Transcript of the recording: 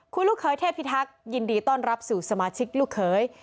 คุณลูกเคยเทพิทักษ์ยินดีต้อนรับสู่สมาชิกลูกเขย